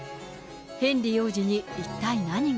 ヘンリー王子に一体何が。